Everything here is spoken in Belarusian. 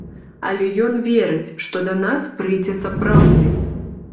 Але ён верыць, што да нас прыйдзе сапраўдны.